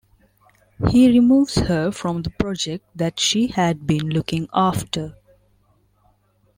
He removes her from the project that she had been looking after.